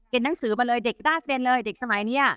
หนังสือมาเลยเด็กด้าเซ็นเลยเด็กสมัยนี้